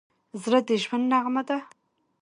زړه د ژوند نغمه ده.